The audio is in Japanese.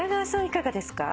いかがですか？